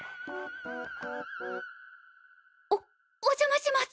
おお邪魔します！